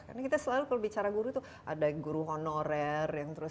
karena kita selalu kalau bicara guru itu ada guru honorer